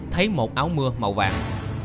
thấy một áo mưa màu vàng